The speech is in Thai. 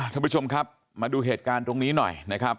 ท่านผู้ชมครับมาดูเหตุการณ์ตรงนี้หน่อยนะครับ